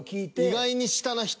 意外に下な人。